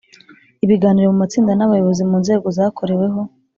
Ibiganiro Mu Matsinda N Abayobozi Mu Nzego Zakoreweho